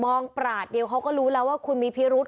ปราศเดียวเขาก็รู้แล้วว่าคุณมีพิรุษ